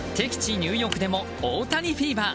ニューヨークでも大谷フィーバー。